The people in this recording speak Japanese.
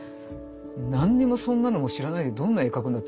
「何にもそんなのも知らないでどんな絵描くんだ」